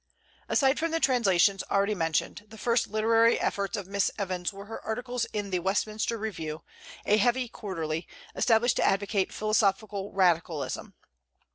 Aside from the translations already mentioned, the first literary efforts of Miss Evans were her articles in the "Westminster Review," a heavy quarterly, established to advocate philosophical radicalism.